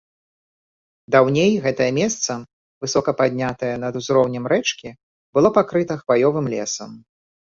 Даўней гэтае месца, высока паднятае над узроўнем рэчкі, было пакрыта хваёвым лесам.